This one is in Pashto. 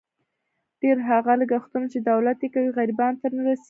ډېر هغه لګښتونه، چې دولت یې کوي، غریبانو ته نه رسېږي.